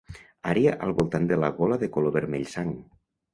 Àrea al voltant de la gola de color vermell sang.